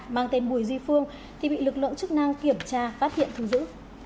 mang tên bùi duy phương thì bị lực lượng chức năng kiểm tra phát hiện thu giữ